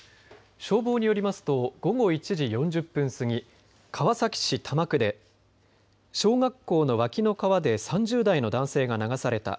消防によりますと午後１時４０分過ぎ川崎市多摩区で小学校の脇の川で３０代の男性が流された。